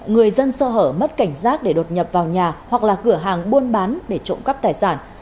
người dân sơ hở mất cảnh giác để đột nhập vào nhà hoặc là cửa hàng buôn bán để trộm cắp tài sản